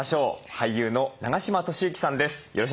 俳優の永島敏行さんです。